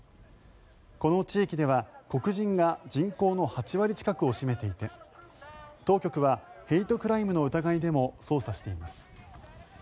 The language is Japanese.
この地域では黒人が人口の８割近くを占めていて当局はヘイトクライムの疑いでも捜査しています。